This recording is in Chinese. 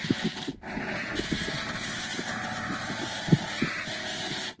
代奥格尔是印度马哈拉施特拉邦阿拉伯海岸的一个城市。